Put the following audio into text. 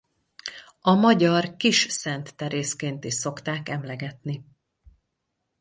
A magyar Kis Szent Terézként is szokták emlegetni.